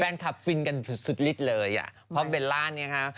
แฟนคลับฟินกันสุดลิดเลยอ่ะเพราะเบลล่าเนี่ยฮะ